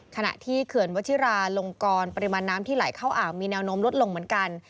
ขณะที่เขื่อนวัชิราลงกรปริมาณน้ำที่ไหลเข้าอ่าวมีแนวโน้มลดลงเหมือนกัน